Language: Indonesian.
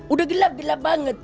udah gelap gelap banget